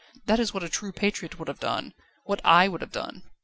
That is what a true patriot would have done what I would have done.